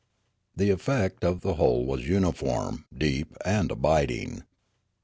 The effect of the whole was uniform, deep, and abiding.